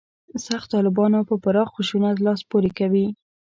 «سخت طالبانو» په پراخ خشونت لاس پورې کوي.